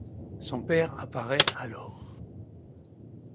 Son père apparaît alors.